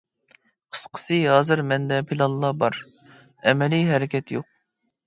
قىسقىسى، ھازىر مەندە پىلانلا بار، ئەمەلىي ھەرىكەت يوق.